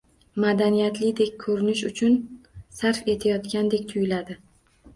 Madaniyatlidek koʻrinish uchun sarf etayotgandek tuyuladi.